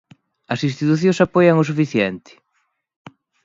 As institucións apoian o suficiente?